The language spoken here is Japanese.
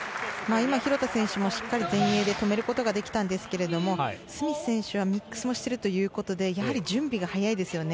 廣田選手もしっかり前衛で止めることができたんですがスミス選手はミックスもしているということでやはり準備が早いですよね。